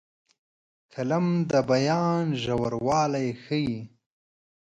قلم د بیان ژوروالی ښيي